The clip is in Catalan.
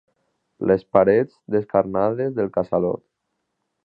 Les parets descarnades del casalot.